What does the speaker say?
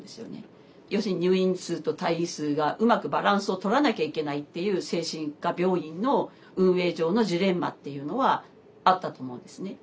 要するに入院数と退院数がうまくバランスをとらなきゃいけないっていう精神科病院の運営上のジレンマっていうのはあったと思うんですね。